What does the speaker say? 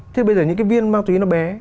thế bây giờ những cái viên ma túy nó bé